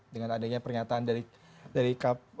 dengan adanya pernyataan dari